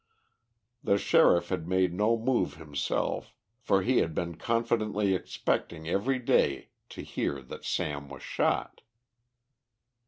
The Sheriff had made no move himself, for he had been confidently expecting every day to hear that Sam was shot.